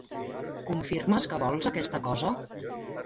Confirmes que vols aquesta cosa?